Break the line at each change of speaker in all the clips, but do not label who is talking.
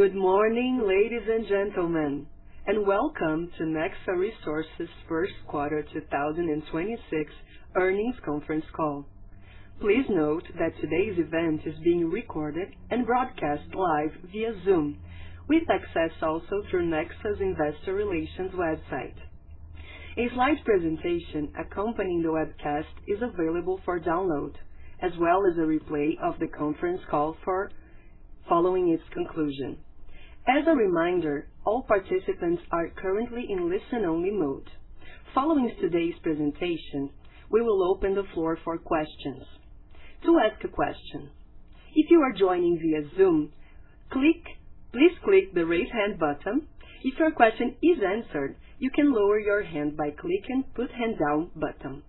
Good morning, ladies and gentlemen, welcome to Nexa Resources' first quarter 2026 earnings conference call. Please note that today's event is being recorded and broadcast live via Zoom, with access also through Nexa's Investor Relations website. A slide presentation accompanying the webcast is available for download, as well as a replay of the conference call for following its conclusion. As a reminder, all participants are currently in listen-only mode. Following today's presentation, we will open the floor for questions. To ask a question, if you are joining via Zoom, please click the Raise Hand button. If your question is answered, you can lower your hand by clicking Put Hand Down button.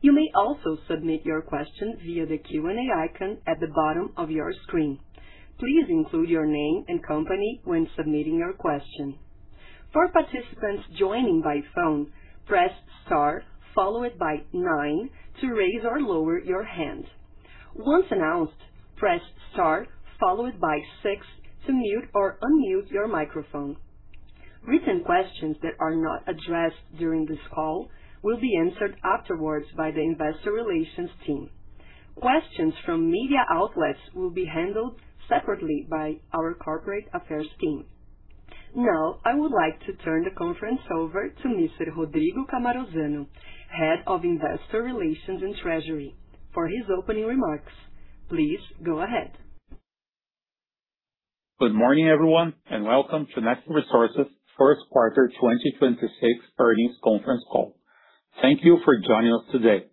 You may also submit your question via the Q&A icon at the bottom of your screen. Please include your name and company when submitting your question. Written questions that are not addressed during this call will be answered afterwards by the investor relations team. Questions from media outlets will be handled separately by our corporate affairs team. Now, I would like to turn the conference over to Mr. Rodrigo Cammarosano, Head of Investor Relations and Treasury, for his opening remarks. Please go ahead.
Good morning, everyone, and welcome to Nexa Resources' first quarter 2026 earnings conference call. Thank you for joining us today.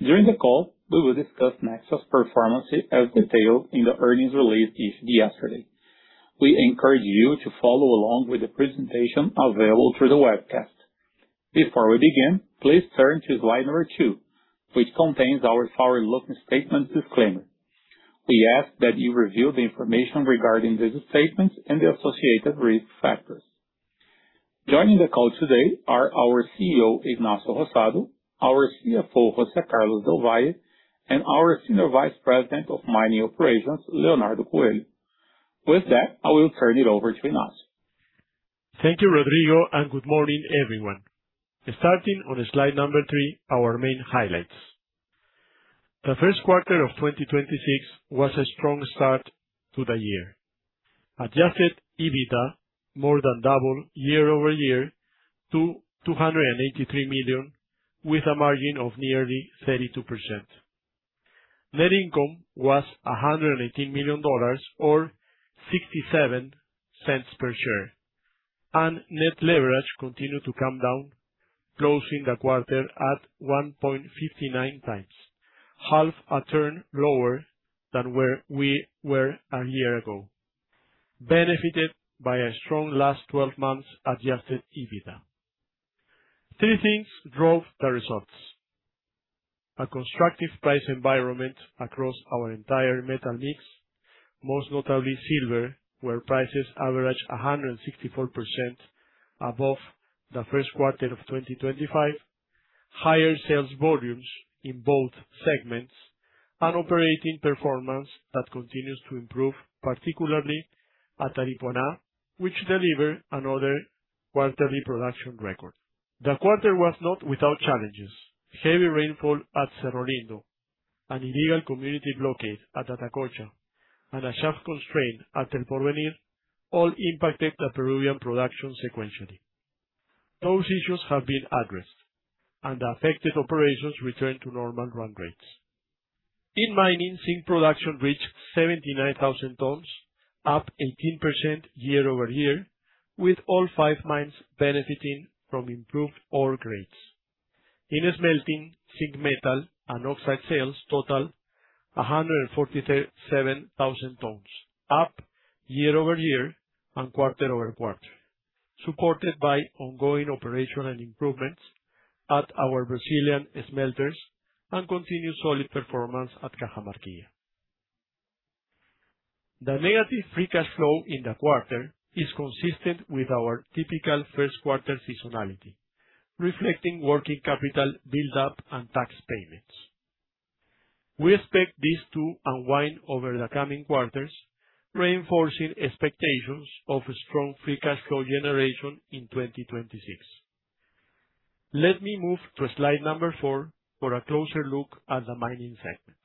During the call, we will discuss Nexa's performance as detailed in the earnings release issued yesterday. We encourage you to follow along with the presentation available through the webcast. Before we begin, please turn to slide number 2, which contains our forward-looking statements disclaimer. We ask that you review the information regarding these statements and the associated risk factors. Joining the call today are our CEO, Ignacio Rosado, our CFO, José Carlos del Valle, and our Senior Vice President of Mining Operations, Leonardo Coelho. With that, I will turn it over to Ignacio.
Thank you, Rodrigo, and good morning, everyone. Starting on slide number 3, our main highlights. The first quarter of 2026 was a strong start to the year. Adjusted EBITDA more than doubled year-over-year to $283 million, with a margin of nearly 32%. Net income was $118 million or $0.67 per share. Net leverage continued to come down, closing the quarter at 1.59 times, half a turn lower than where we were a year ago, benefited by a strong last 12 months Adjusted EBITDA. Three things drove the results: a constructive price environment across our entire metal mix, most notably silver, where prices averaged 164% above the first quarter of 2025, higher sales volumes in both segments, and operating performance that continues to improve, particularly at Aripuanã, which delivered another quarterly production record. The quarter was not without challenges. Heavy rainfall at Cerro Lindo, an illegal community blockade at Atacocha, and a shaft constraint at El Porvenir all impacted the Peruvian production sequentially. Those issues have been addressed, and the affected operations returned to normal run rates. In mining, zinc production reached 79,000 tons, up 18% year-over-year, with all five mines benefiting from improved ore grades. In smelting, zinc metal and oxide sales totaled 147,000 tons, up year-over-year and quarter-over-quarter, supported by ongoing operational improvements at our Brazilian smelters and continued solid performance at Cajamarquilla. The negative free cash flow in the quarter is consistent with our typical first quarter seasonality, reflecting working capital build-up and tax payments. We expect this to unwind over the coming quarters, reinforcing expectations of a strong free cash flow generation in 2026. Let me move to slide number 4 for a closer look at the mining segment.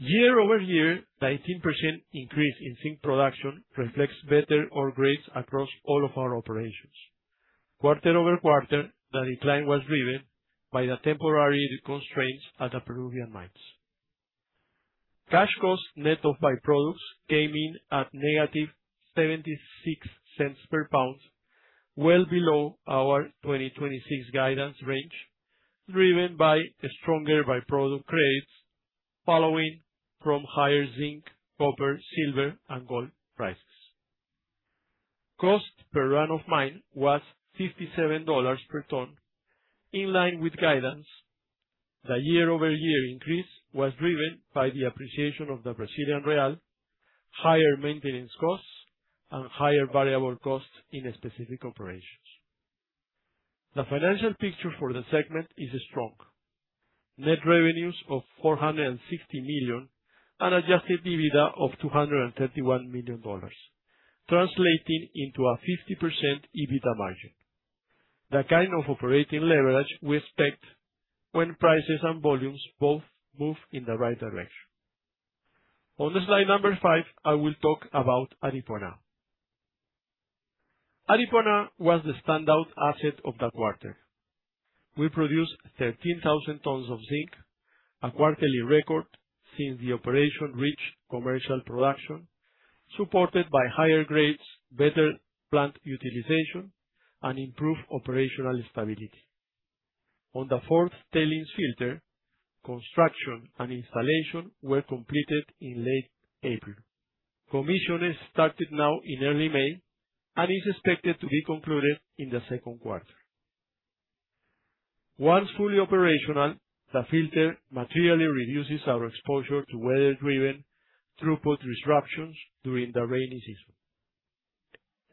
Year-over-year, the 18% increase in zinc production reflects better ore grades across all of our operations. Quarter-over-quarter, the decline was driven by the temporary constraints at the Peruvian mines. Cash costs net of by-products came in at negative $0.76 per pound, well below our 2026 guidance range, driven by stronger by-product grades following from higher zinc, copper, silver, and gold prices. Cost per run of mine was $57 per ton, in line with guidance. The year-over-year increase was driven by the appreciation of the Brazilian real, higher maintenance costs, and higher variable costs in specific operations. The financial picture for the segment is strong. Net revenues of $460 million and Adjusted EBITDA of $231 million, translating into a 50% EBITDA margin. The kind of operating leverage we expect when prices and volumes both move in the right direction. On slide number 5, I will talk about Aripuanã. Aripuanã was the standout asset of the quarter. We produced 13,000 tons of zinc, a quarterly record since the operation reached commercial production, supported by higher grades, better plant utilization, and improved operational stability. On the fourth tailings filter, construction and installation were completed in late April. Commissioning started now in early May and is expected to be concluded in the second quarter. Once fully operational, the filter materially reduces our exposure to weather-driven throughput disruptions during the rainy season.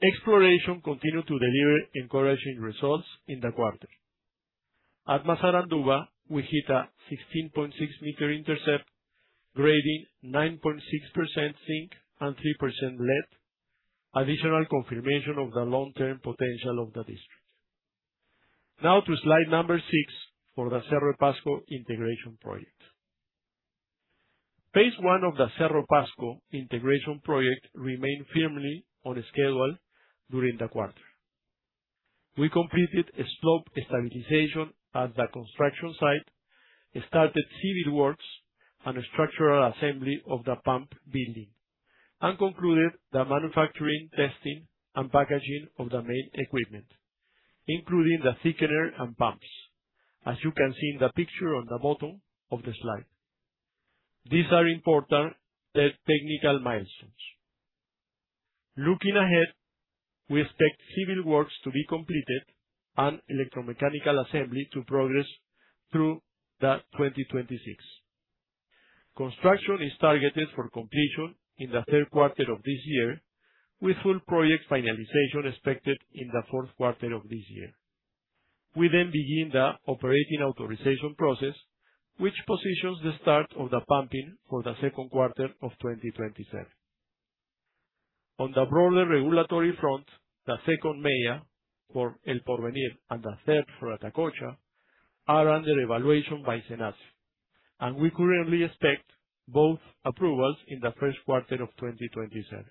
Exploration continued to deliver encouraging results in the quarter. At Massaranduba, we hit a 16.6 meter intercept, grading 9.6% zinc and 3% lead, additional confirmation of the long-term potential of the district. Now to slide number 6 for the Cerro Pasco integration project. Phase 1 of the Cerro Pasco integration project remained firmly on schedule during the quarter. We completed a slope stabilization at the construction site, started civil works and structural assembly of the pump building, and concluded the manufacturing, testing, and packaging of the main equipment, including the thickener and pumps, as you can see in the picture on the bottom of the slide. These are important technical milestones. Looking ahead, we expect civil works to be completed and electromechanical assembly to progress through the 2026. Construction is targeted for completion in the 3rd quarter of this year, with full project finalization expected in the 4th quarter of this year. We begin the operating authorization process, which positions the start of the pumping for the 2nd quarter of 2027. On the broader regulatory front, the second MEIA for El Porvenir and the third for Atacocha are under evaluation by SENACE, and we currently expect both approvals in the 1st quarter of 2027.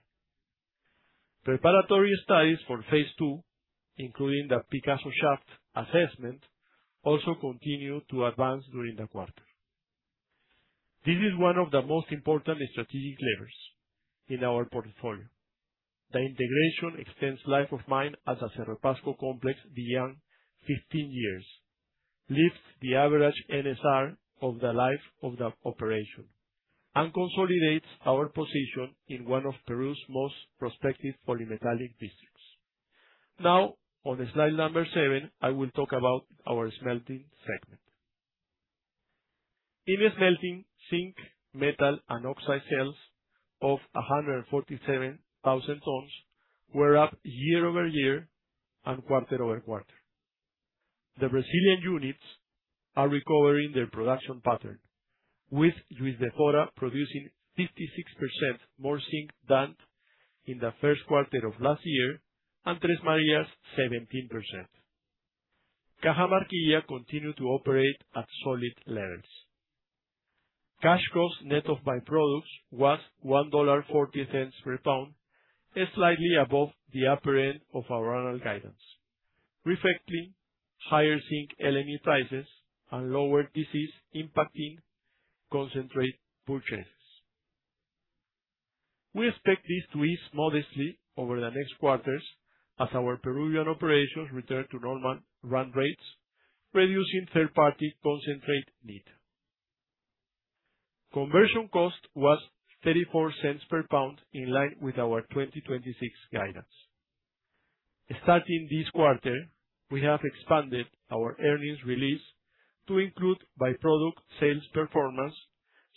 Preparatory studies for phase two, including the Picasso shaft assessment, also continued to advance during the quarter. This is one of the most important strategic levers in our portfolio. The integration extends life of mine at the Cerro Pasco complex beyond 15 years, lifts the average NSR of the life of the operation, and consolidates our position in one of Peru's most prospective polymetallic districts. Now, on slide number 7, I will talk about our smelting segment. In the smelting, zinc, metal, and oxide sales of 147,000 tons were up year-over-year and quarter-over-quarter. The Brazilian units are recovering their production pattern, with Juiz de Fora producing 56% more zinc than in the first quarter of last year, and Tres Marias 17%. Cajamarquilla continued to operate at solid levels. Cash costs net of byproducts was $1.40 per pound, slightly above the upper end of our annual guidance, reflecting higher zinc LME prices and lower TC impacting concentrate purchases. We expect this to ease modestly over the next quarters as our Peruvian operations return to normal run rates, reducing third-party concentrate need. Conversion cost was $0.34 per pound, in line with our 2026 guidance. Starting this quarter, we have expanded our earnings release to include byproduct sales performance,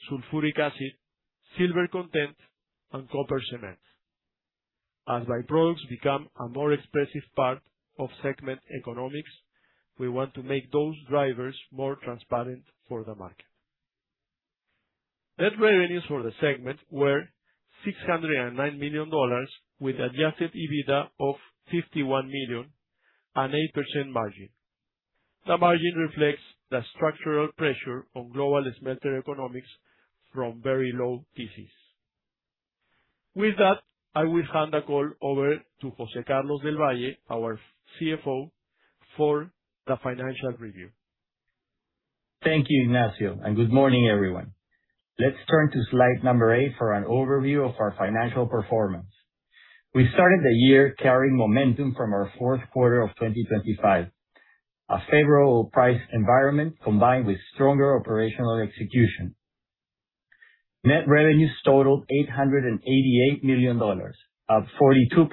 sulfuric acid, silver content, and copper cement. As byproducts become a more expressive part of segment economics, we want to make those drivers more transparent for the market. Net revenues for the segment were $609 million with Adjusted EBITDA of $51 million, an 8% margin. The margin reflects the structural pressure on global smelter economics from very low TCs. With that, I will hand the call over to José Carlos del Valle, our CFO, for the financial review.
Thank you, Ignacio. Good morning, everyone. Let's turn to slide number 8 for an overview of our financial performance. We started the year carrying momentum from our fourth quarter of 2025. A favorable price environment combined with stronger operational execution. Net revenues totaled $888 million, up 42%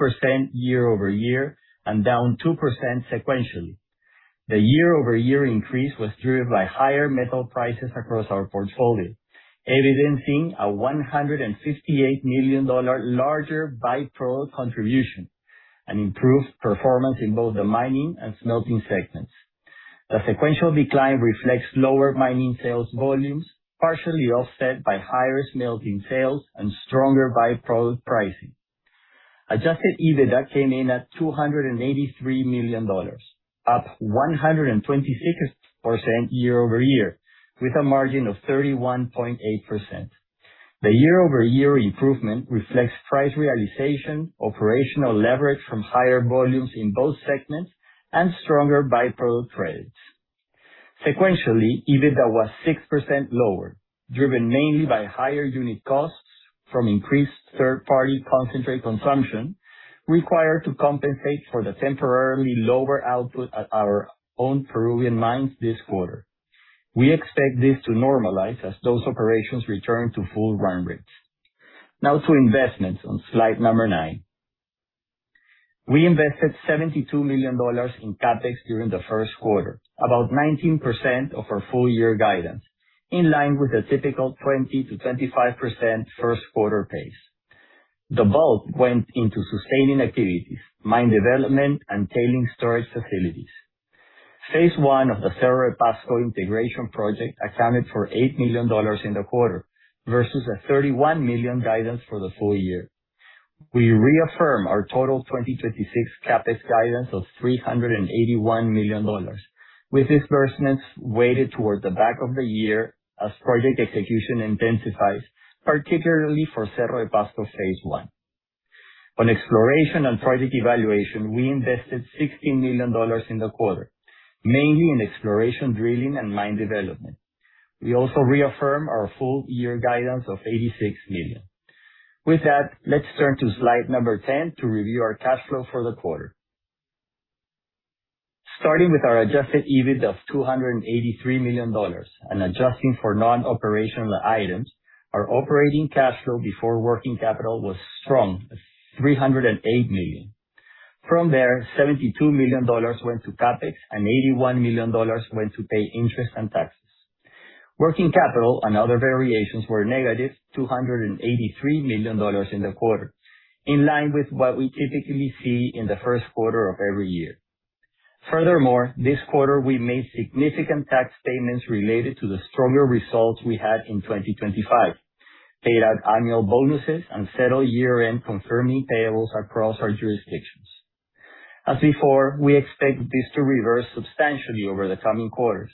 year-over-year and down 2% sequentially. The year-over-year increase was driven by higher metal prices across our portfolio, evidencing a $158 million larger by-product contribution, an improved performance in both the mining and smelting segments. The sequential decline reflects lower mining sales volumes, partially offset by higher smelting sales and stronger by-product pricing. Adjusted EBITDA came in at $283 million, up 126% year-over-year, with a margin of 31.8%. The year-over-year improvement reflects price realization, operational leverage from higher volumes in both segments, and stronger by-product credits. Sequentially, EBITDA was 6% lower, driven mainly by higher unit costs from increased third-party concentrate consumption required to compensate for the temporarily lower output at our own Peruvian mines this quarter. We expect this to normalize as those operations return to full run rates. To investments on slide number 9. We invested $72 million in CapEx during the first quarter, about 19% of our full year guidance, in line with a typical 20%-25% first quarter pace. The bulk went into sustaining activities, mine development, and tailing storage facilities. Phase 1 of the Cerro Pasco integration project accounted for $8 million in the quarter versus a $31 million guidance for the full year. We reaffirm our total 2026 CapEx guidance of $381 million, with disbursements weighted towards the back of the year as project execution intensifies, particularly for Cerro Pasco phase 1. On exploration and project evaluation, we invested $16 million in the quarter, mainly in exploration, drilling and mine development. We also reaffirm our full year guidance of $86 million. Let's turn to slide number 10 to review our cash flow for the quarter. Starting with our Adjusted EBITDA of $283 million and adjusting for non-operational items, our operating cash flow before working capital was strong, $308 million. From there, $72 million went to CapEx and $81 million went to pay interest and taxes. Working capital and other variations were negative $283 million in the quarter, in line with what we typically see in the first quarter of every year. Furthermore, this quarter we made significant tax payments related to the stronger results we had in 2025, paid out annual bonuses and settled year-end confirming payables across our jurisdictions. As before, we expect this to reverse substantially over the coming quarters,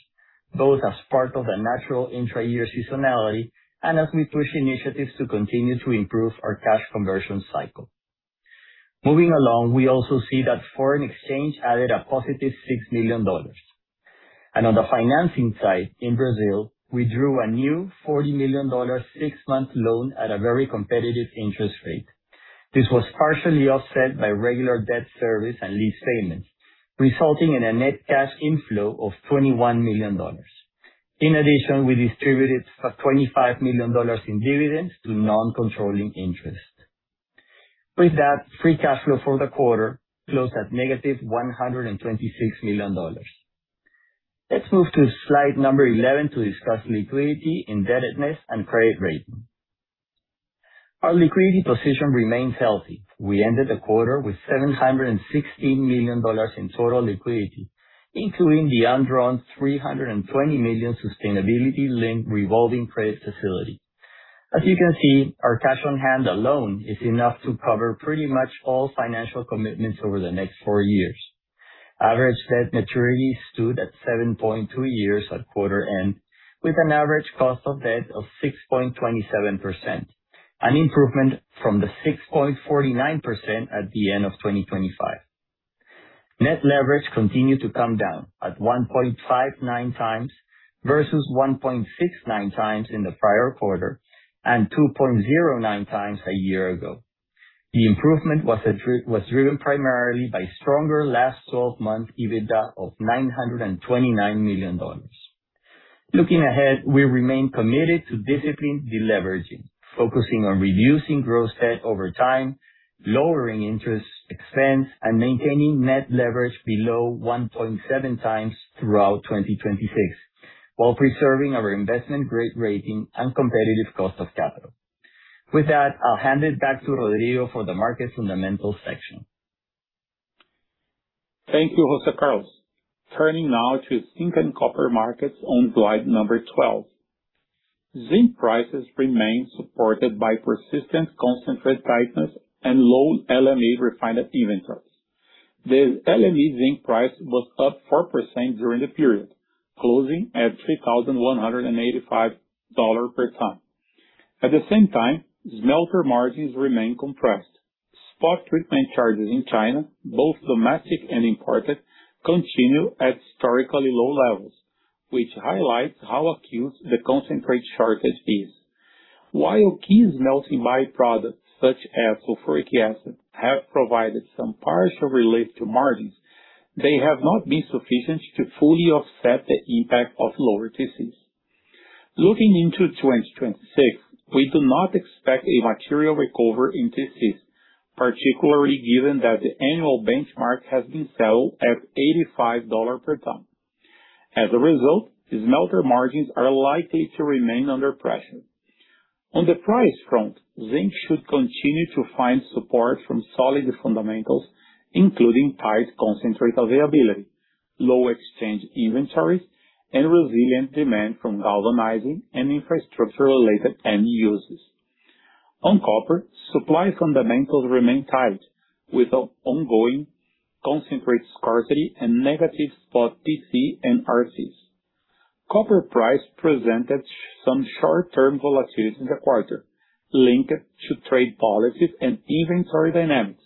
both as part of the natural intra-year seasonality and as we push initiatives to continue to improve our cash conversion cycle. Moving along, we also see that foreign exchange added a positive $6 million. On the financing side, in Brazil, we drew a new $40 million 6-month loan at a very competitive interest rate. This was partially offset by regular debt service and lease payments, resulting in a net cash inflow of $21 million. In addition, we distributed $25 million in dividends to non-controlling interest. With that, free cash flow for the quarter closed at negative $126 million. Let's move to slide number 11 to discuss liquidity, indebtedness, and credit rating. Our liquidity position remains healthy. We ended the quarter with $716 million in total liquidity, including the undrawn $320 million sustainability-linked revolving credit facility. As you can see, our cash on hand alone is enough to cover pretty much all financial commitments over the next 4 years. Average debt maturity stood at 7.2 years at quarter end, with an average cost of debt of 6.27%, an improvement from the 6.49% at the end of 2025. Net leverage continued to come down at 1.59 times versus 1.69 times in the prior quarter and 2.09 times a year ago. The improvement was driven primarily by stronger last twelve month EBITDA of $929 million. Looking ahead, we remain committed to disciplined deleveraging, focusing on reducing gross debt over time, lowering interest expense, and maintaining net leverage below 1.7 times throughout 2026, while preserving our investment-grade rating and competitive cost of capital. With that, I'll hand it back to Rodrigo for the market fundamental section.
Thank you, José Carlos. Turning now to zinc and copper markets on slide number 12. Zinc prices remain supported by persistent concentrate tightness and low LME refined zinc price. The LME zinc price was up 4% during the period, closing at $3,185 per ton. At the same time, smelter margins remain compressed. Spot treatment charges in China, both domestic and imported, continue at historically low levels, which highlights how acute the concentrate shortage is. While key smelting by-products such as sulfuric acid have provided some partial relief to margins, they have not been sufficient to fully offset the impact of lower TCs. Looking into 2026, we do not expect a material recovery in TCs. Particularly given that the annual benchmark has been settled at $85 per ton. As a result, the smelter margins are likely to remain under pressure. On the price front, zinc should continue to find support from solid fundamentals, including tight concentrate availability, low exchange inventories, and resilient demand from galvanizing and infrastructure-related end uses. On copper, supply fundamentals remain tight with ongoing concentrate scarcity and negative spot TC and RCs. Copper price presented some short-term volatility in the quarter linked to trade policies and inventory dynamics,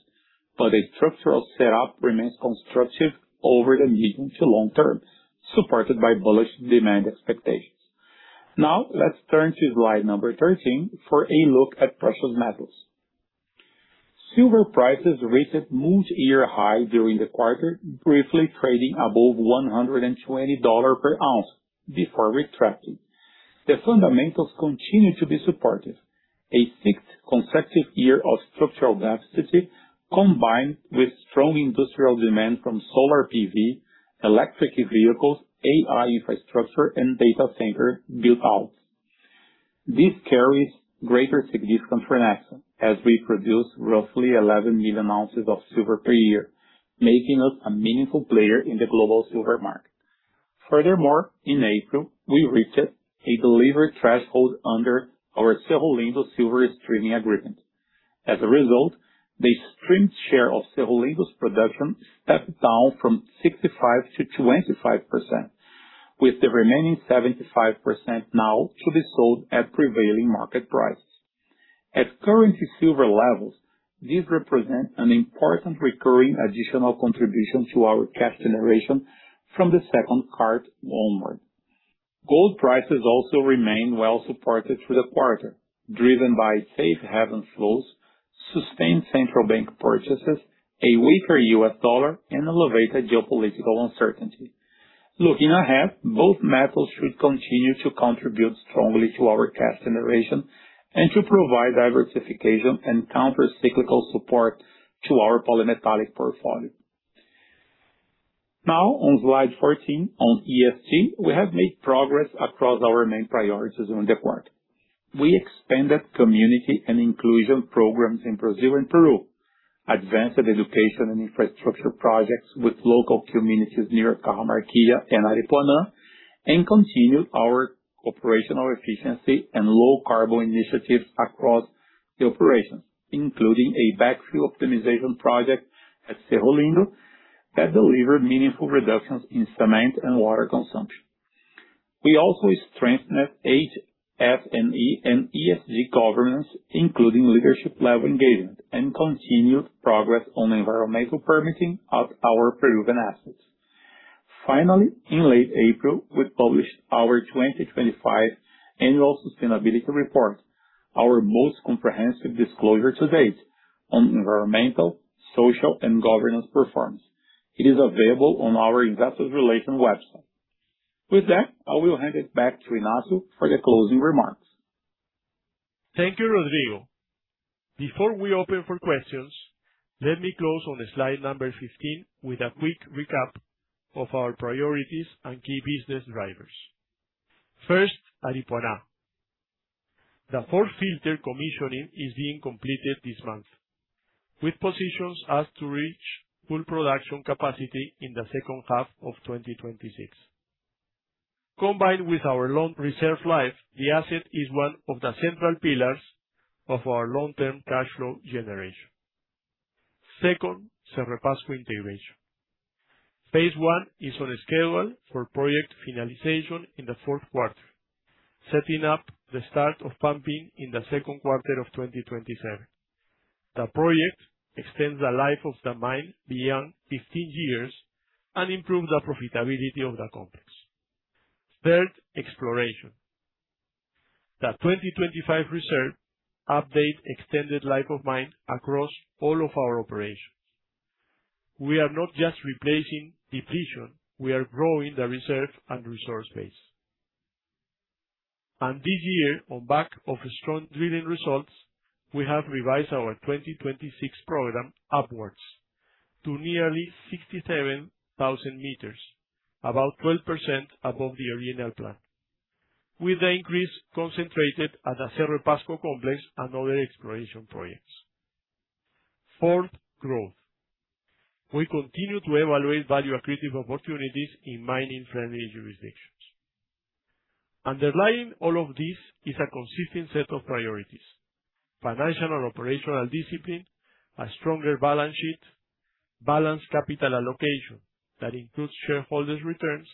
but a structural setup remains constructive over the medium to long term, supported by bullish demand expectations. Now, let's turn to slide number 13 for a look at precious metals. Silver prices reached multi-year high during the quarter, briefly trading above $120 per ounce before retracting. The fundamentals continue to be supportive. A 6th consecutive year of structural deficit combined with strong industrial demand from solar PV, electric vehicles, AI infrastructure, and data center build-outs. This carries greater significance for Nexa, as we produce roughly 11 million ounces of silver per year, making us a meaningful player in the global silver market. Furthermore, in April, we reached a delivery threshold under our Cerro Lindo silver streaming agreement. As a result, the streamed share of Cerro Lindo production stepped down from 65 to 25%, with the remaining 75% now to be sold at prevailing market prices. At current silver levels, this represents an important recurring additional contribution to our cash generation from the second quarter onward. Gold prices also remain well supported through the quarter, driven by safe haven flows, sustained central bank purchases, a weaker U.S. dollar, and elevated geopolitical uncertainty. Looking ahead, both metals should continue to contribute strongly to our cash generation and to provide diversification and counter cyclical support to our polymetallic portfolio. Now on slide 14, on ESG, we have made progress across our main priorities in the quarter. We expanded community and inclusion programs in Brazil and Peru, advanced education and infrastructure projects with local communities near Cajamarquilla and Aripuanã, and continued our operational efficiency and low carbon initiatives across the operations, including a backfill optimization project at Cerro Lindo that delivered meaningful reductions in cement and water consumption. We also strengthened HSE and ESG governance, including leadership level engagement and continued progress on environmental permitting of our Peruvian assets. In late April, we published our 2025 annual sustainability report, our most comprehensive disclosure to date on environmental, social, and governance performance. It is available on our investor relations website. With that, I will hand it back to Ignacio for the closing remarks.
Thank you, Rodrigo. Before we open for questions, let me close on slide number 15 with a quick recap of our priorities and key business drivers. First, Aripuanã. The fourth filter commissioning is being completed this month, which positions us to reach full production capacity in the second half of 2026. Combined with our long reserve life, the asset is one of the central pillars of our long-term cash flow generation. Second, Cerro Pasco integration. Phase 1 is on schedule for project finalization in the fourth quarter, setting up the start of pumping in the second quarter of 2027. The project extends the life of the mine beyond 15 years and improves the profitability of the complex. Third, exploration. The 2025 reserve update extended life of mine across all of our operations. We are not just replacing depletion, we are growing the reserve and resource base. This year, on back of strong drilling results, we have revised our 2026 program upwards to nearly 67,000 m, about 12% above the original plan. With the increase concentrated at the Cerro Pasco complex and other exploration projects. Fourth, growth. We continue to evaluate value-accretive opportunities in mining-friendly jurisdictions. Underlying all of this is a consistent set of priorities: financial and operational discipline, a stronger balance sheet, balanced capital allocation that includes shareholders' returns,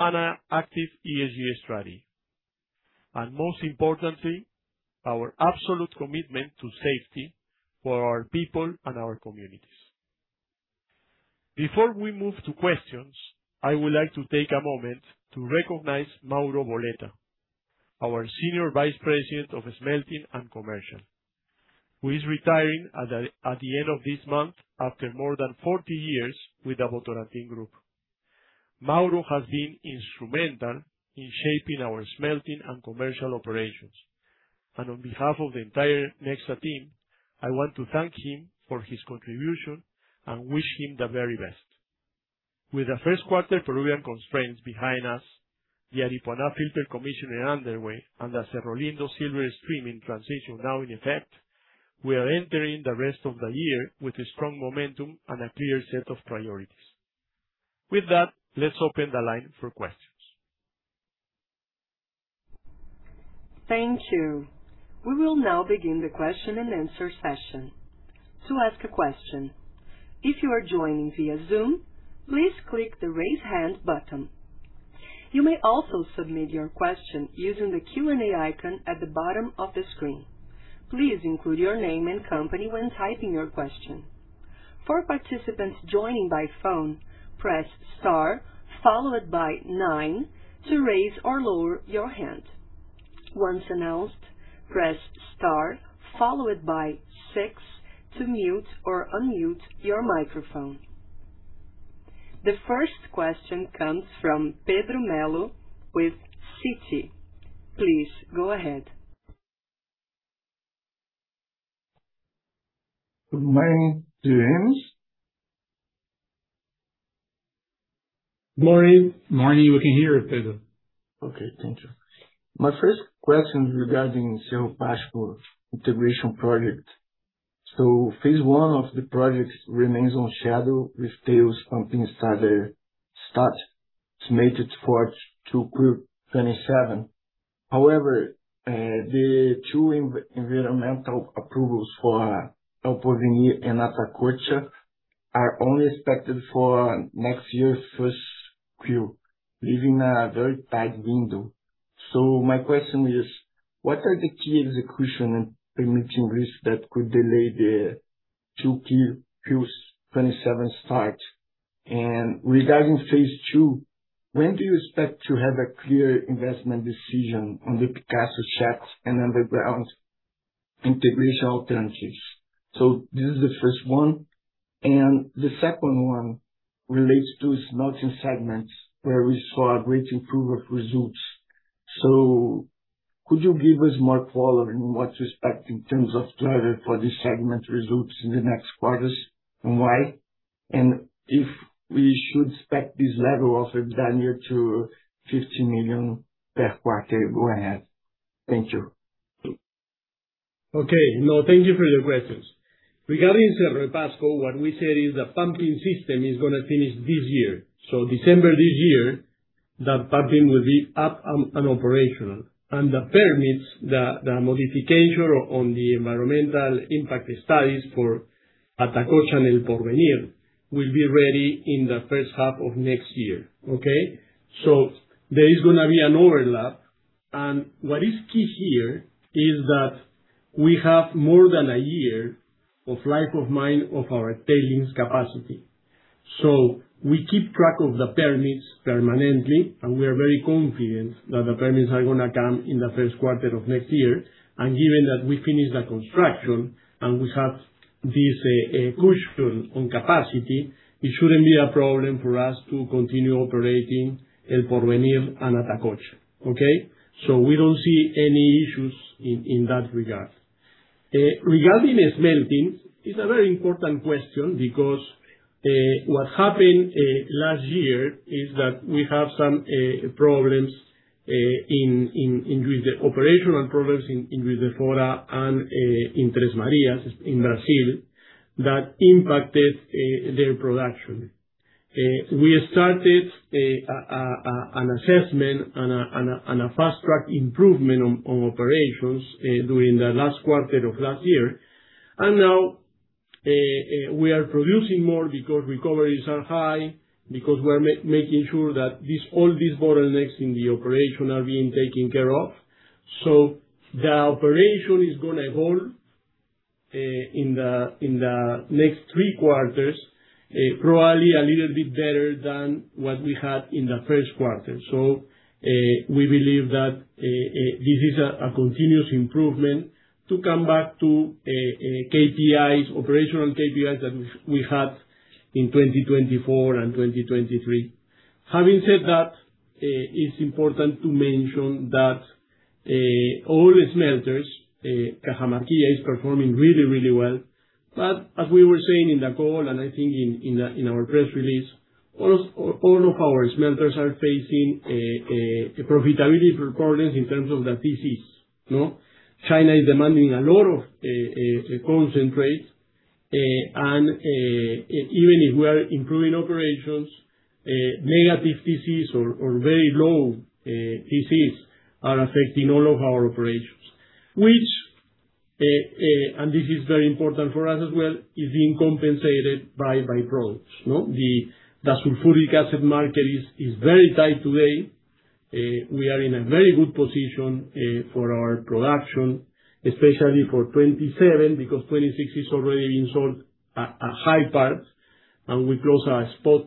and an active ESG strategy. Most importantly, our absolute commitment to safety for our people and our communities. Before we move to questions, I would like to take a moment to recognize Mauro Boletta, our Senior Vice President of Smelting and Commercial, who is retiring at the end of this month after more than 40 years with the Votorantim Group. Mauro has been instrumental in shaping our smelting and commercial operations. On behalf of the entire Nexa team, I want to thank him for his contribution and wish him the very best. With the first quarter Peruvian constraints behind us, the Aripuanã filter commission and underway, and the Cerro Lindo silver streaming transition now in effect, we are entering the rest of the year with a strong momentum and a clear set of priorities. With that, let's open the line for questions.
Thank you. We will now begin the question and answer session. To ask a question, if you are joining via Zoom, please click the Raise Hand button. You may also submit your question using the Q&A icon at the bottom of the screen. Please include your name and company when typing your question. For participants joining by phone, press Star, followed by nine to raise or lower your hand. Once announced, press Star, followed by six to mute or unmute your microphone. The first question comes from Pedro Melo with Citi. Please go ahead.
Good morning, James.
Morning. We can hear you, Pedro.
Okay. Thank you. My first question regarding Cerro Pasco integration project. Phase 1 of the project remains on schedule with tails pumping study start estimated for 2Q 2027. However, the 2 environmental approvals for El Porvenir and Atacocha are only expected for next year's 1Q, leaving a very tight window. My question is, what are the key execution and permitting risks that could delay the 2Q 2027 start? Regarding Phase 2, when do you expect to have a clear investment decision on the Picasso shaft and underground integration alternatives? This is the first one. The second one relates to smelting segments, where we saw a great improve of results. Could you give us more color in what to expect in terms of color for this segment results in the next quarters, and why? If we should expect this level of EBITDA to $50 million per quarter? Go ahead. Thank you.
Thank you for your questions. Regarding Cerro Pasco, what we said is the pumping system is gonna finish this year. December this year, that pumping will be up and operational. The permits, the modification on the environmental impact studies for Atacocha and El Porvenir will be ready in the first half of next year. There is gonna be an overlap. What is key here is that we have more than a year of life of mine of our tailings capacity. We keep track of the permits permanently, and we are very confident that the permits are gonna come in the first quarter of next year. Given that we finish the construction and we have this cushion on capacity, it shouldn't be a problem for us to continue operating El Porvenir and Atacocha. We don't see any issues in that regard. Regarding smelting, it's a very important question because what happened last year is that we have some problems in with the operational problems in Juiz de Foraand in Tres Marias in Brazil that impacted their production. We started an assessment and a fast-track improvement on operations during the last quarter of last year. Now, we are producing more because recoveries are high, because we're making sure that this, all these bottlenecks in the operation are being taken care of. The operation is gonna hold in the next three quarters, probably a little bit better than what we had in the first quarter. We believe that this is a continuous improvement to come back to KPIs, operational KPIs that we had in 2024 and 2023. Having said that, it's important to mention that all smelters, Cajamarquilla is performing really, really well. As we were saying in the call, and I think in our press release, all of our smelters are facing a profitability performance in terms of the TC, you know? China is demanding a lot of concentrate. And even if we are improving operations, negative TC or very low TCs are affecting all of our operations. Which, and this is very important for us as well, is being compensated by products. No? The sulfuric acid market is very tight today. We are in a very good position for our production, especially for 2027, because 2026 is already being sold a high part, and we close our spot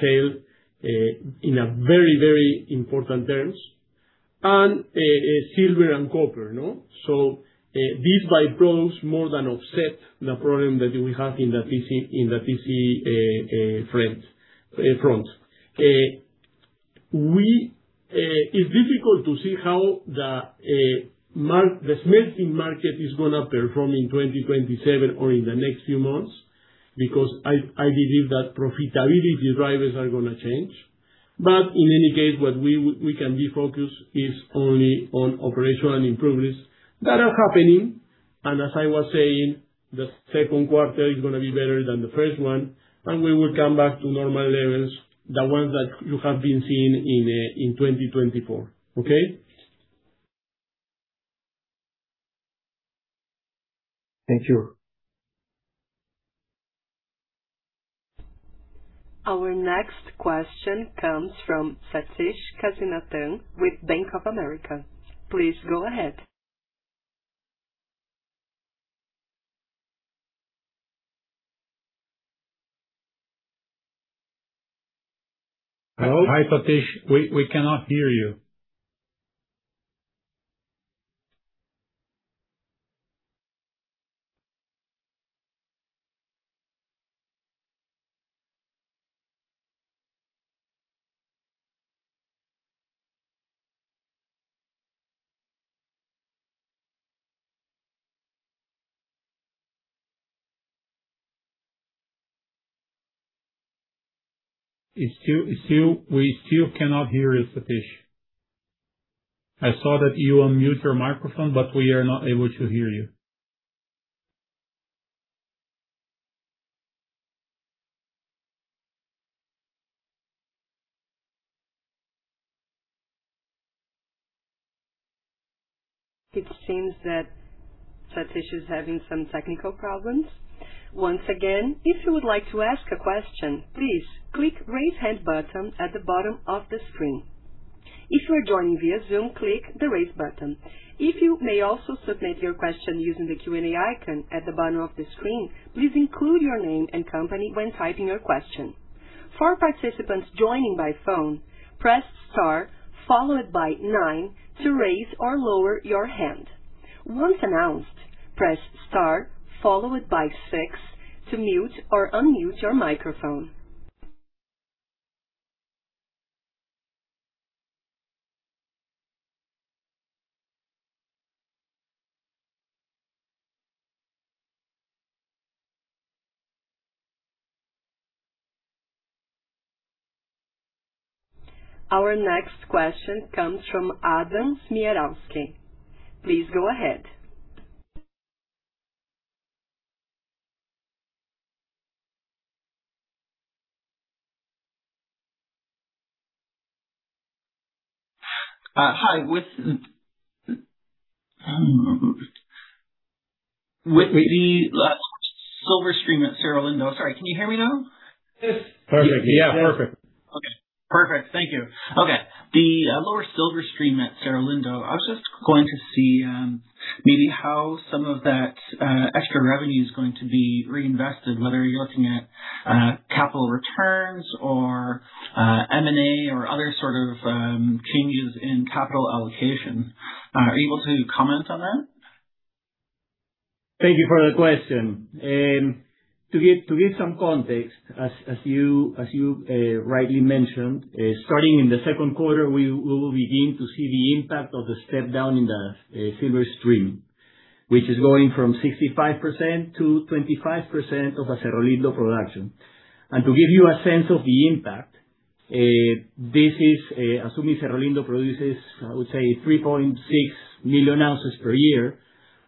sale in very important terms. Silver and copper, no. This by-products more than offset the problem that we have in the TC front. It's difficult to see how the smelting market is gonna perform in 2027 or in the next few months, because I believe that profitability drivers are gonna change. In any case, what we can be focused is only on operational improvements that are happening. As I was saying, the second quarter is gonna be better than the first one, and we will come back to normal levels, the ones that you have been seeing in 2024.
Thank you.
Our next question comes from Sathish Kasinathan with Bank of America. Please go ahead.
Hello?
Hi, Sathish. We cannot hear you. Still, we still cannot hear you, Sathish. I saw that you unmute your microphone, but we are not able to hear you.
It seems that Sathish is having some technical problems. Once again, if you would like to ask a question, please click raise hand button at the bottom of the screen. If you are joining via Zoom, click the Raise button. If you may also submit your question using the Q&A icon at the bottom of the screen, please include your name and company when typing your question. For participants joining by phone, press star 9 to raise or lower your hand. Once announced, press star 6 to mute or unmute your microphone. Our next question comes from Adam Smiransky. Please go ahead.
Hi. With the silver stream at Cerro Lindo. Sorry, can you hear me now?
Yes. Perfect.
Yeah, perfect.
Okay. Perfect. Thank you. Okay. The lower silver stream at Cerro Lindo, I was just going to see maybe how some of that extra revenue is going to be reinvested, whether you're looking at capital returns or M&A or other sort of changes in capital allocation. Are you able to comment on that?
Thank you for the question. To give some context, as you rightly mentioned, starting in the second quarter, we will begin to see the impact of the step down in the silver stream, which is going from 65% to 25% of a Cerro Lindo production. To give you a sense of the impact, this is assuming Cerro Lindo produces, I would say 3.6 million ounces per year.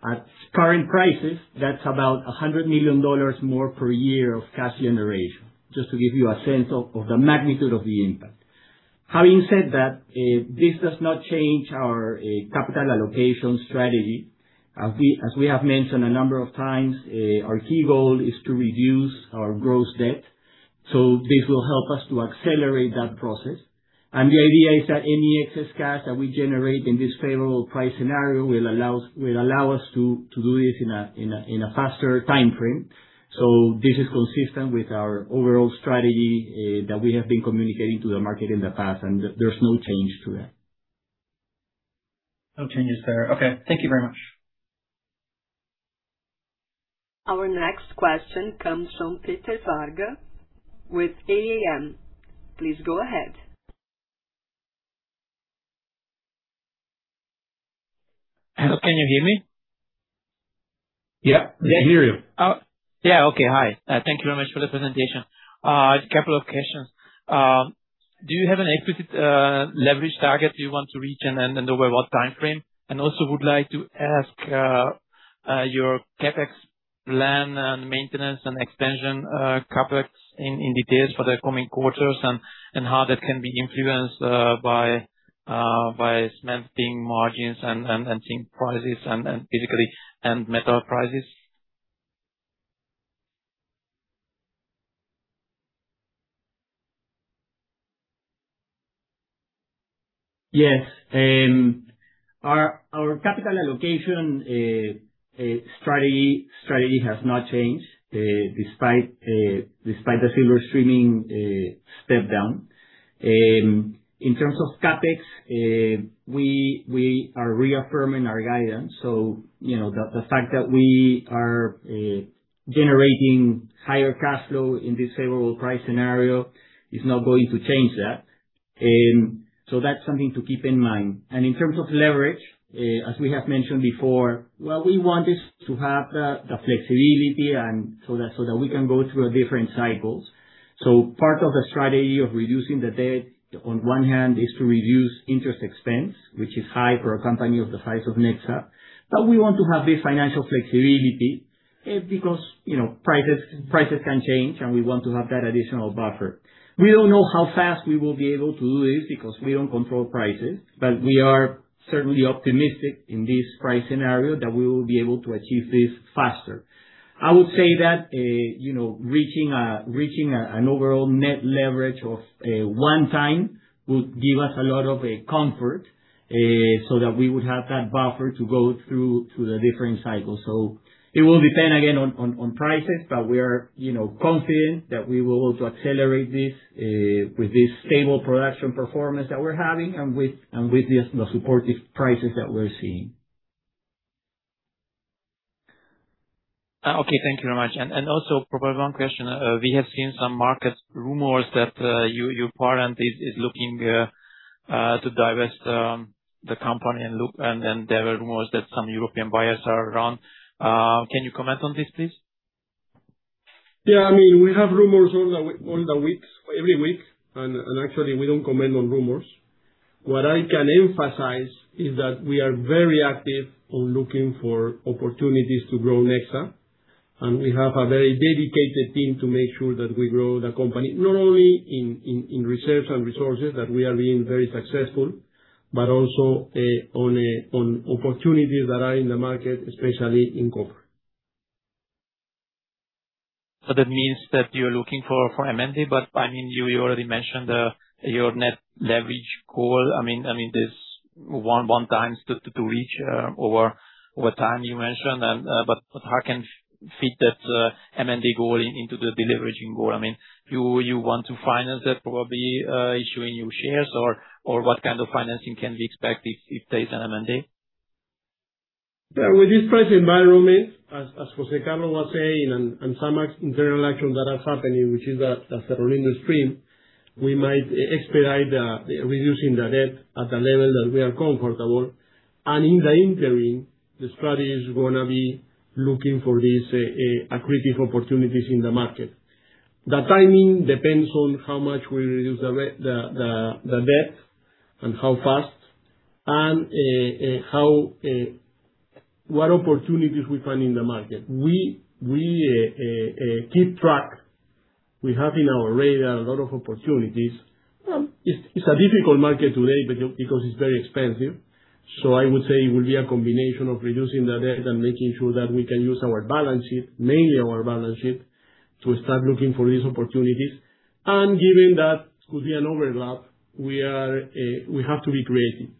At current prices, that's about $100 million more per year of cash generation, just to give you a sense of the magnitude of the impact. Having said that, this does not change our capital allocation strategy. As we have mentioned a number of times, our key goal is to reduce our gross debt, so this will help us to accelerate that process. The idea is that any excess cash that we generate in this favorable price scenario will allow us to do this in a faster timeframe. This is consistent with our overall strategy that we have been communicating to the market in the past, and there's no change to that.
No changes there. Okay. Thank you very much.
Our next question comes from Peter Varga with AAM. Please go ahead.
Hello, can you hear me?
Yeah, we can hear you.
Oh, yeah. Okay. Hi. Thank you very much for the presentation. Just a couple of questions. Do you have an explicit leverage target you want to reach and then over what time frame? Also would like to ask your CapEx plan and maintenance and expansion CapEx in details for the coming quarters and how that can be influenced by smelting margins and tin prices and physically and metal prices.
Our capital allocation strategy has not changed despite the silver streaming step down. In terms of CapEx, we are reaffirming our guidance. You know, the fact that we are generating higher cash flow in this favorable price scenario is not going to change that. That's something to keep in mind. In terms of leverage, as we have mentioned before, what we want is to have the flexibility so that we can go through different cycles. Part of the strategy of reducing the debt on one hand is to reduce interest expense, which is high for a company of the size of Nexa. We want to have this financial flexibility because you know, prices can change, we want to have that additional buffer. We don't know how fast we will be able to do this because we don't control prices. We are certainly optimistic in this price scenario that we will be able to achieve this faster. I would say that, you know, reaching an overall net leverage of 1 time would give us a lot of comfort, so that we would have that buffer to go through to the different cycles. It will depend again on prices. We are, you know, confident that we will also accelerate this with this stable production performance that we're having and with this, the supportive prices that we're seeing.
Okay. Thank you very much. Also probably one question. We have seen some market rumors that your parent is looking to divest the company and there were rumors that some European buyers are around. Can you comment on this, please?
Yeah. I mean, we have rumors all the weeks, every week. Actually, we don't comment on rumors. What I can emphasize is that we are very active on looking for opportunities to grow Nexa. We have a very dedicated team to make sure that we grow the company, not only in reserves and resources, that we are being very successful, but also on opportunities that are in the market, especially in copper.
That means that you're looking for M&A, but I mean, you already mentioned, your net leverage goal. I mean, this one time to reach, over time you mentioned and, but how can fit that M&A goal into the deleveraging goal? I mean, you want to finance that probably, issuing new shares or what kind of financing can we expect if there's an M&A?
With this pricing environment, as José Carlos del Valle was saying and some internal actions that are happening, which is the Cerro Lindo stream, we might expedite reducing the debt at a level that we are comfortable. In the interim, the strategy is gonna be looking for these accretive opportunities in the market. The timing depends on how much we reduce the debt and how fast and how what opportunities we find in the market. We keep track. We have in our radar a lot of opportunities. It's a difficult market today because it's very expensive. I would say it will be a combination of reducing the debt and making sure that we can use our balance sheet, mainly our balance sheet, to start looking for these opportunities. Given that could be an overlap, we have to be creative,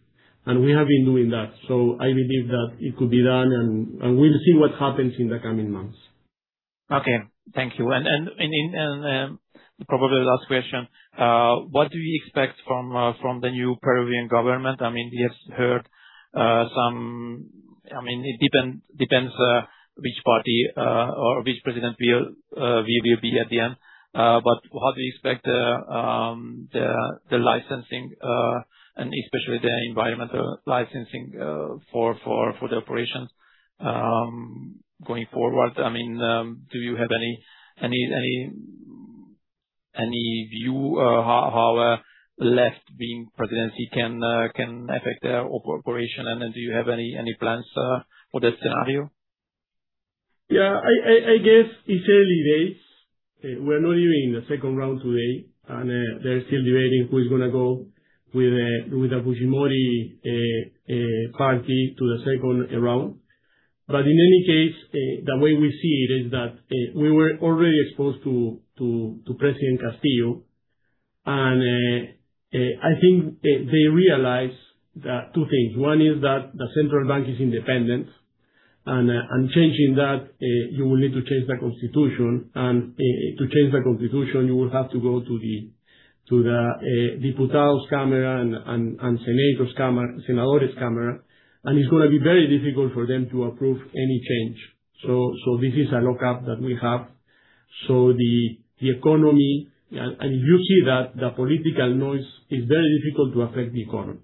and we have been doing that. I believe that it could be done, and we'll see what happens in the coming months.
Okay. Thank you. Probably the last question. What do we expect from the new Peruvian government? I mean, we have heard, some I mean, it depends which party or which president will be at the end. What do you expect, the licensing, and especially the environmental licensing for the operations going forward? I mean, do you have any view how a left-wing presidency can affect operation? Do you have any plans for that scenario?
Yeah. I guess it's early days. We're not even in the second round today, they're still debating who's gonna go with the Fujimori party to the second round. In any case, the way we see it is that we were already exposed to President Castillo. I think they realized that 2 things. One is that the central bank is independent. Changing that, you will need to change the Constitution. To change the Constitution, you will have to go to the Diputados' camera and Senadores' camera. It's gonna be very difficult for them to approve any change. This is a lockup that we have. You see that the political noise is very difficult to affect the economy.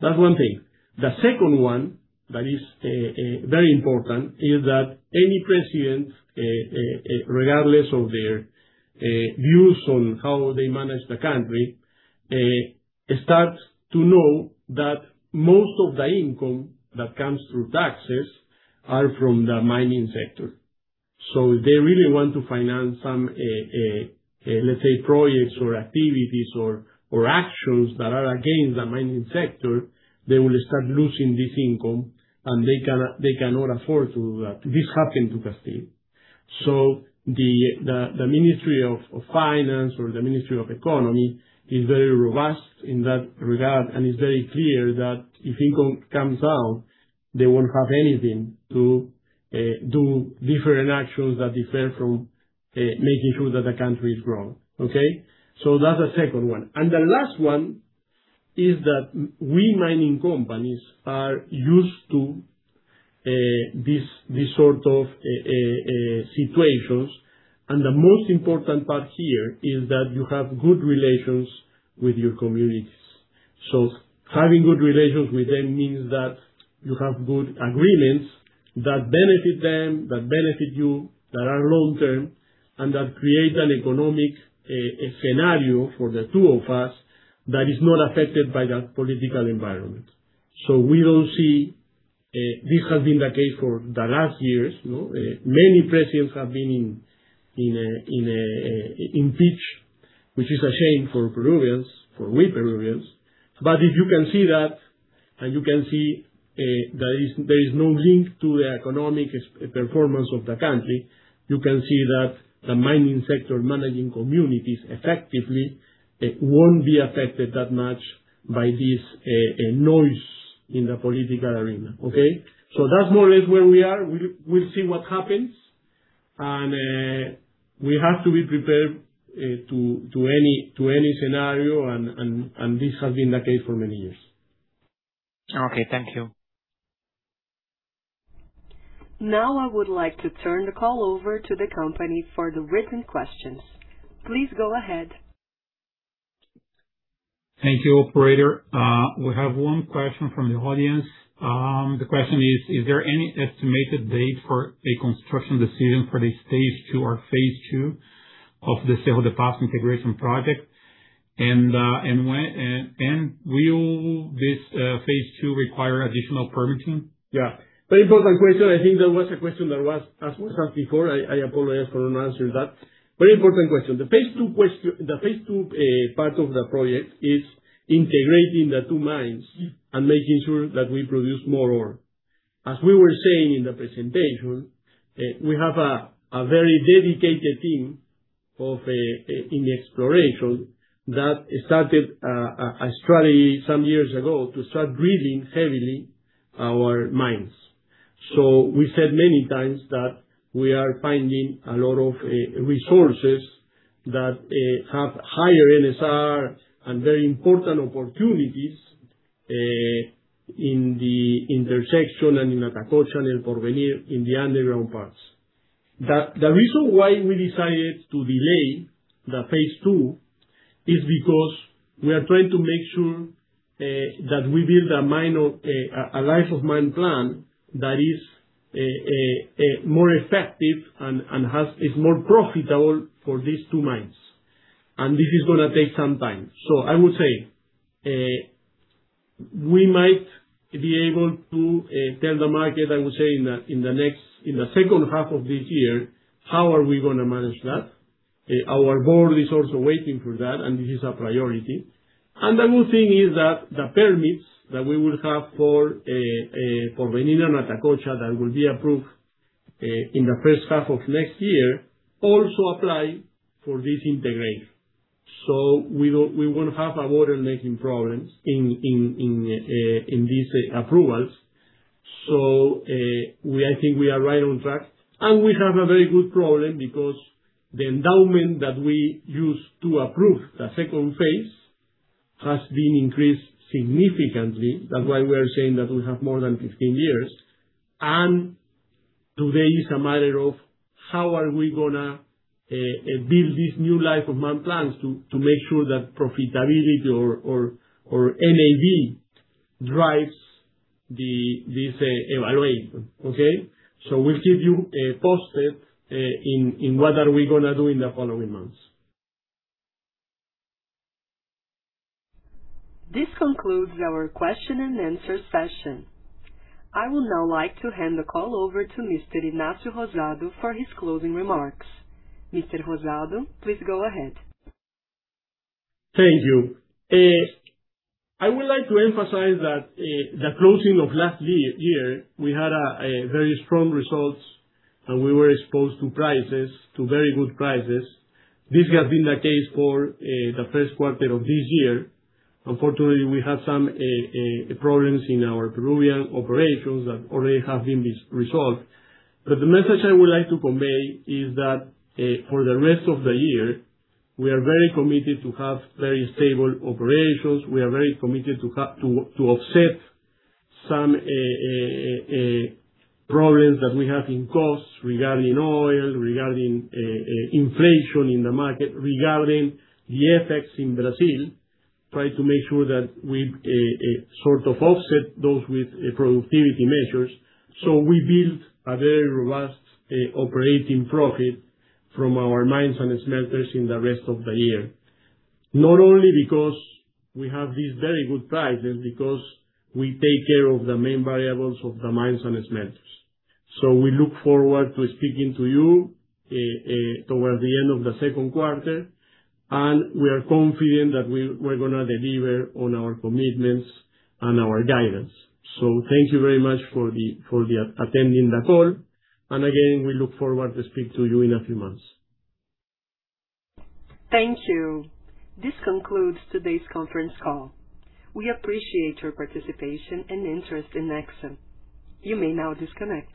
That's one thing. The second one that is very important is that any president, regardless of their views on how they manage the country, starts to know that most of the income that comes through taxes are from the mining sector. If they really want to finance some, let's say projects or activities or actions that are against the mining sector, they will start losing this income, and they cannot afford to do that. This happened to Castillo. The Ministry of Finance or the Ministry of Economy is very robust in that regard, and it's very clear that if income comes down, they won't have anything to do different actions that differ from making sure that the country is growing. That's the second one. The last one is that we mining companies are used to this sort of situations. The most important part here is that you have good relations with your communities. Having good relations with them means that you have good agreements that benefit them, that benefit you, that are long-term, and that create an economic scenario for the two of us that is not affected by that political environment. We don't see this has been the case for the last years, you know. Many presidents have been impeached, which is a shame for Peruvians, for we Peruvians. If you can see that, and you can see, there is no link to the economic performance of the country. You can see that the mining sector managing communities effectively, it won't be affected that much by this noise in the political arena. Okay. That's more or less where we are. We'll see what happens. We have to be prepared to any scenario. This has been the case for many years.
Okay. Thank you.
Now, I would like to turn the call over to the company for the written questions. Please go ahead.
Thank you, operator. We have one question from the audience. The question is: Is there any estimated date for a construction decision for the stage 2 or phase 2 of the Cerro Pasco integration project? Will this phase 2 require additional permitting?
Yeah. Very important question. I think that was a question that was asked once before. I apologize for not answering that. Very important question. The phase 2 part of the project is integrating the 2 mines and making sure that we produce more ore. As we were saying in the presentation, we have a very dedicated team of in the exploration that started a study some years ago to start grading heavily our mines. We said many times that we are finding a lot of resources that have higher NSR and very important opportunities in the intersection and in Atacocha and El Porvenir in the underground parts. The reason why we decided to delay the phase II is because we are trying to make sure that we build a mine of a life of mine plan that is more effective and has is more profitable for these two mines. This is gonna take some time. I would say, we might be able to tell the market, I would say, in the next, in the second half of this year how are we gonna manage that. Our board is also waiting for that, and this is a priority. The good thing is that the permits that we will have for Porvenir and Atacocha, that will be approved in the first half of next year, also apply for this integration. We won't have a water making problems in these approvals. I think we are right on track. We have a very good problem because the endowment that we used to approve the second phase has been increased significantly. That's why we are saying that we have more than 15 years. Today is a matter of how are we gonna build this new life of mine plans to make sure that profitability or NAV drives this evaluation. Okay? We'll keep you posted in what are we gonna do in the following months.
This concludes our question and answer session. I would now like to hand the call over to Mr. Ignacio Rosado for his closing remarks. Mr. Rosado, please go ahead.
Thank you. I would like to emphasize that the closing of last year, we had a very strong results, we were exposed to prices, to very good prices. This has been the case for the first quarter of this year. Unfortunately, we had some problems in our Peruvian operations that already have been resolved. The message I would like to convey is that for the rest of the year, we are very committed to have very stable operations. We are very committed to have to offset some problems that we have in costs regarding oil, regarding inflation in the market, regarding the effects in Brazil. Try to make sure that we sort of offset those with productivity measures. We build a very robust operating profit from our mines and smelters in the rest of the year. Not only because we have these very good prices, because we take care of the main variables of the mines and smelters. We look forward to speaking to you towards the end of the second quarter. We are confident that we're gonna deliver on our commitments and our guidance. Thank you very much for attending the call. Again, we look forward to speak to you in a few months.
Thank you. This concludes today's conference call. We appreciate your participation and interest in Nexa. You may now disconnect.